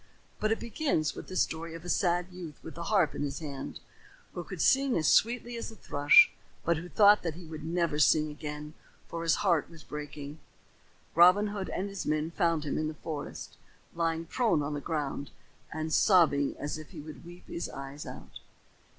But it begins with the story of a sad youth with a harp in his hand, who could sing as sweetly as a thrush but who thought that he would never sing again for his heart was breaking. Robin Hood and his men found him in the forest, lying prone on the ground and sobbing as if he would weep his eyes out.